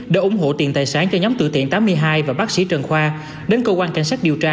đã ủng hộ tiền tài sản cho nhóm tự thiện tám mươi hai và bác sĩ trần khoa đến cơ quan cảnh sát điều tra